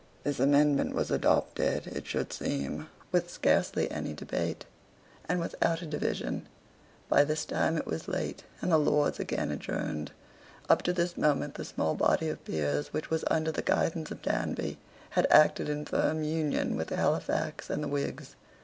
This amendment was adopted, it should seem, with scarcely any debate, and without a division. By this time it was late; and the Lords again adjourned. Up to this moment the small body of peers which was under the guidance of Danby had acted in firm union with Halifax and the Whigs.